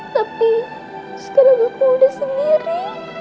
tapi sekarang aku udah sendiri